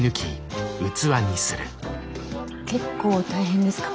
結構大変ですか？